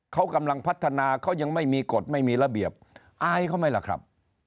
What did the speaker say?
เขากำลังพัฒนาเขายังไม่มีกฎไม่มีระเบียบอายเขาไหมล่ะครับ